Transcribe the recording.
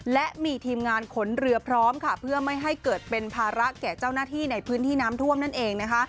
และมีทีมงานขนเรือพร้อมเพื่อไม่ให้เกิดเป็นภาระแก่เจ้าหน้าที่ในพื้นที่น้ำท่วมนั่นเอง